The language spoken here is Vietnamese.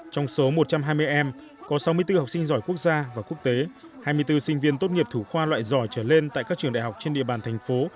trong số một trăm hai mươi em có sáu mươi bốn học sinh giỏi quốc gia và quốc tế hai mươi bốn sinh viên tốt nghiệp thủ khoa loại giỏi trở lên tại các trường đại học trên địa bàn thành phố